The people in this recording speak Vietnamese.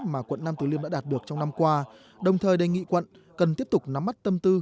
mà quận nam từ liêm đã đạt được trong năm qua đồng thời đề nghị quận cần tiếp tục nắm mắt tâm tư